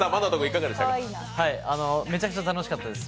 めちゃくちゃ楽しかったです。